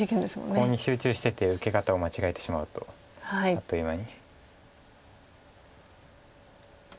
コウに集中してて受け方を間違えてしまうとあっという間に。